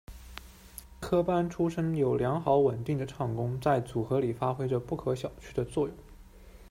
科班出身，有良好稳定的唱功，在组合里发挥着不可小觑的作用。